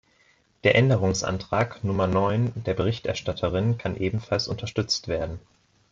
Der Änderungsantrag Nummer neun der Berichterstatterin kann ebenfalls unterstützt werden.